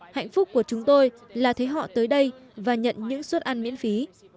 hạnh phúc của chúng tôi là thấy họ tới đây và nhận những suất ăn miễn phí